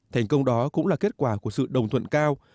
thành công đó cũng là kết quả của sự đồng thuận cao